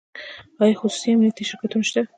آیا خصوصي امنیتي شرکتونه شته؟